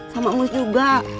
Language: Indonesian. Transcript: sama emus juga